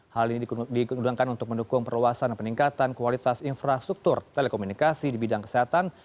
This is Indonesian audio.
hal ini diundangkan untuk mendukung perluasan peningkatan kualitas infrastruktur telekomunikasi di bidang kesehatan